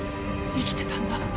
生きてたんだ！